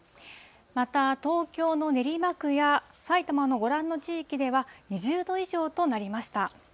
また東京の練馬区や、埼玉のご覧の地域では、２０度以上となりました。